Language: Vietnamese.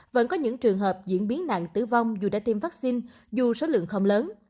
vẫn có những trường hợp diễn biến nặng tử vong dù đã tiêm vaccine dù số lượng không lớn